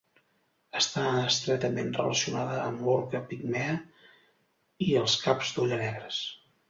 Està estretament relacionada amb l'orca pigmea i els caps d'olla negres.